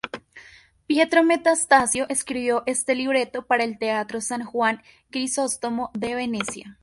Pietro Metastasio escribió este libreto para el Teatro San Juan Crisóstomo de Venecia.